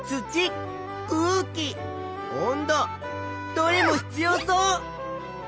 どれも必要そう！